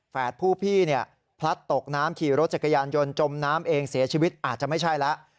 ผู้พี่เนี่ยพลัดตกน้ำขี่รถจักรยานยนต์จมน้ำเองเสียชีวิตอาจจะไม่ใช่แล้ว